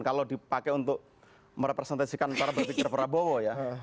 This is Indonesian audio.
kalau dipakai untuk merepresentasikan cara berpikir prabowo ya